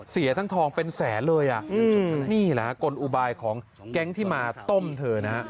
เสียทั้งทองเป็นแสนเลยอ่ะนี่แหละฮะกลอุบายของแก๊งที่มาต้มเธอนะฮะ